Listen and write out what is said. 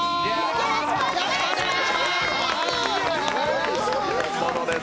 よろしくお願いします。